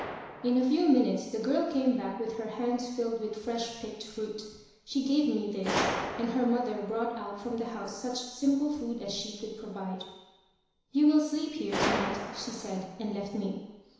In a few minutes the girl came back with her hands filled with fresh picked fruit. She gave me this, and her mother brought out from the house such simple food as she could provide. "You will sleep here, tonight," she said, and left me.